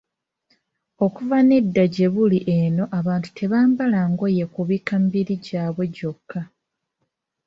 Okuva edda ne gyebuli eno abantu tebambala ngoye kubikka mibiri gyabwe gyokka.